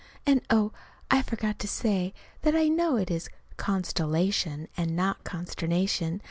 And, oh, I forgot to say that I know it is "constellation," and not "consternation."